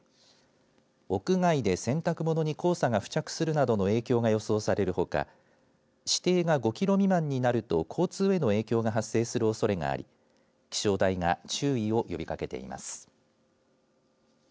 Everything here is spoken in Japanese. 屋外で洗濯物に黄砂が付着するなどの影響が予想されるほか視程が５キロ未満になると交通への影響が発生するおそれがあり気象台が注意を呼びかけています。